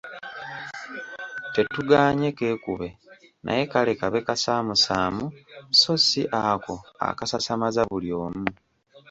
Tetugaanye keekube naye kale kabe kasaamusaamu so si ako akasasamaza buli omu.